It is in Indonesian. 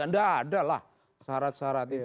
tidak ada lah syarat syarat itu